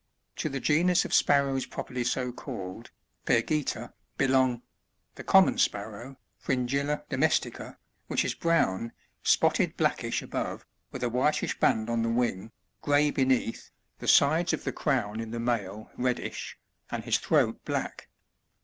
To the ^enus of Sparrows properly so called, — Pyrgita, — belong : 59. The Common Sparrow, — FHngilla domesHca, — which is brown, spotted blackish above, with a whitish band on the wing, gray beneath, the sides of the crown in the male reddish, and his throat black.